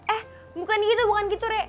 eh bukan gitu bukan gitu rek